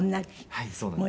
はいそうなんです。